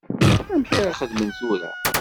Amek ara xedmen tura?